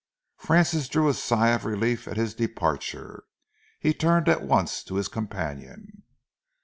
Francis drew a sigh of relief at his departure. He turned at once to his companion.